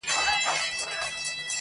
چي ژرنده ئې گرځي، بلا ئې پر ځي.